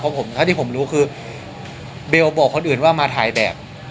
เพราะผมเท่าที่ผมรู้คือเบลบอกคนอื่นว่ามาถ่ายแบบ